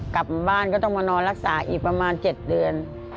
กลับมาบ้านก็ต้องมานอนรักษาอีกประมาณ๗เดือน